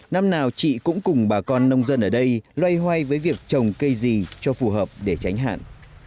năm nào chị cũng cùng bà con nông dân ở đây loay hoay với việc trồng cây gì cho phù hợp để tránh hạn